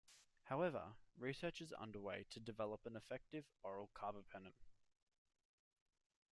However, research is underway to develop an effective oral carbapenem.